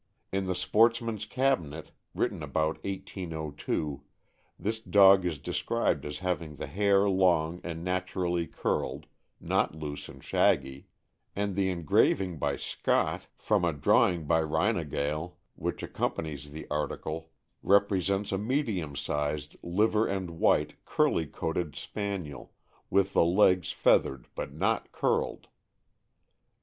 In the Sportsman's Cabinet, written about 1802, this dog is described as having the hair long and naturally curled, not loose and shaggy; and the engraving by Scott, from a drawing by Reinagale, which accompanies the article, repre sents a medium sized, liver and white, curly coated Spaniel, with the legs feathered, but not curled.